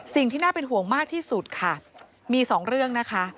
สิ่งที่น่าเป็นห่วงมากที่สุดค่ะมีสองเรื่องนะคะ